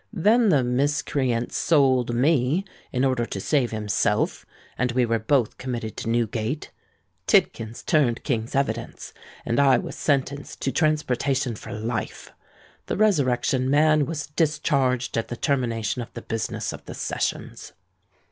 Then the miscreant sold me, in order to save himself; and we were both committed to Newgate. Tidkins turned King's Evidence; and I was sentenced to transportation for life. The Resurrection Man was discharged at the termination of the business of the sessions.